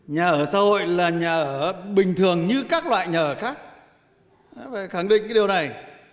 nhà ở xã hội là nhà ở bình thường như các loại nhà ở khác phải khẳng định cái điều này